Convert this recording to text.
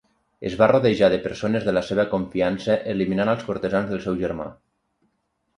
Es va rodejar de persones de la seva confiança eliminant als cortesans del seu germà.